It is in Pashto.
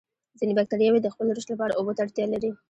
ځینې باکتریاوې د خپل رشد لپاره اوبو ته اړتیا لري.